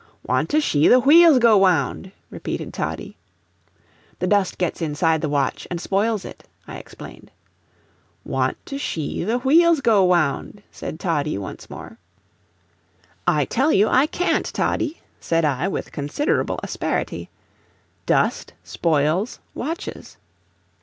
"Want to shee the wheels go wound," repeated Toddie. "The dust gets inside the watch and spoils it," I explained. "Want to shee the wheels go wound," said Toddie, once more. "I tell you I can't, Toddie," said I, with considerable asperity. "Dust spoils watches."